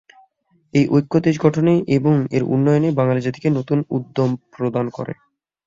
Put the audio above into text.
এই ঐক্য দেশ গঠনে এবং এর উন্নয়নে বাঙালিজাতিকে নতুন উদ্যম প্রদান করে।